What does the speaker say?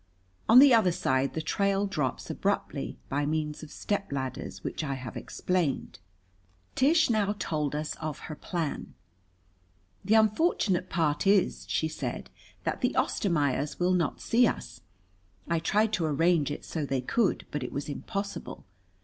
On the other side the trail drops abruptly, by means of stepladders which I have explained. Tish now told us of her plan. "The unfortunate part is," she said, "that the Ostermaiers will not see us. I tried to arrange it so they could, but it was impossible.